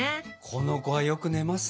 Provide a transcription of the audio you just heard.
この子はよく寝ますね。